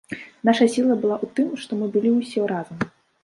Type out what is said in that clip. Нашая сіла была ў тым, што мы былі ўсе разам.